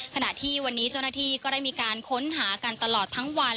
ขณะที่วันนี้เจ้าหน้าที่ก็ได้มีการค้นหากันตลอดทั้งวัน